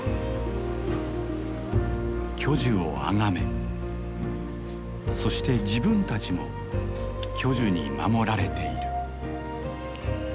巨樹をあがめそして自分たちも巨樹に守られている。